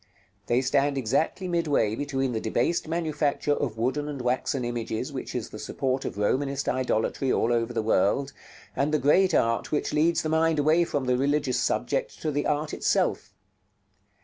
They stand exactly midway between the debased manufacture of wooden and waxen images which is the support of Romanist idolatry all over the world, and the great art which leads the mind away from the religious subject to the art itself.